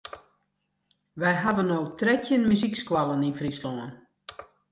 We hawwe no trettjin muzykskoallen yn Fryslân.